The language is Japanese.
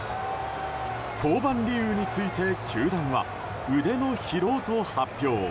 降板理由について球団は腕の疲労と発表。